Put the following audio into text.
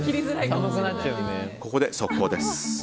ここで速報です。